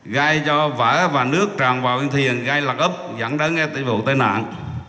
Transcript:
gây cho vỡ và nước tràn vào bên thuyền gây lạc ấp dẫn đến tình vụ tài nạn